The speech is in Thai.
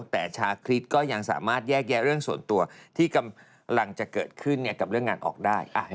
แต่ชาคริสก็ยังสามารถแยกแยะเรื่องส่วนตัวที่กำลังจะเกิดขึ้นกับเรื่องงานออกได้